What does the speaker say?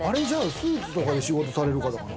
スーツとかで仕事される方かな？